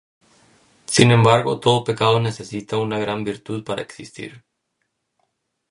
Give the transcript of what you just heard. Sin embargo todo pecado necesita una gran virtud para existir.